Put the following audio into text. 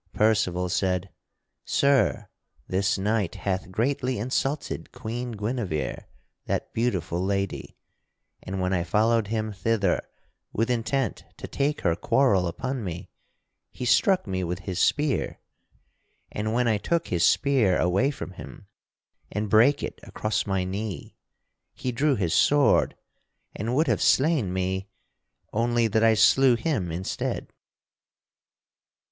Percival said: "Sir, this knight hath greatly insulted Queen Guinevere (that beautiful lady), and when I followed him thither with intent to take her quarrel upon me, he struck me with his spear. And when I took his spear away from him, and brake it across my knee, he drew his sword and would have slain me, only that I slew him instead."